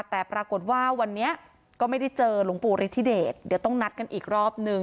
แต่ปรากฏว่าวันนี้ก็ไม่ได้เจอหลวงปู่ฤทธิเดชเดี๋ยวต้องนัดกันอีกรอบนึง